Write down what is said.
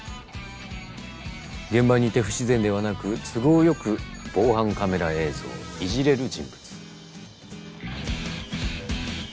現場にいて不自然ではなく都合良く防犯カメラ映像をいじれる人物。